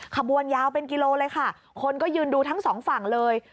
ขบวนยาวเป็นกิโลเลยค่ะคนก็ยืนดูทั้งสองฝั่งเลย